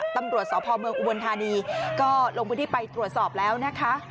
ตำรวจสพเมืองอุบลธานีก็ลงพื้นที่ไปตรวจสอบแล้วนะคะ